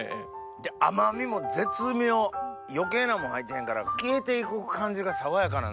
で甘味も絶妙余計なもん入ってへんから消えて行く感じが爽やかなんですよ。